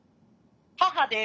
母です。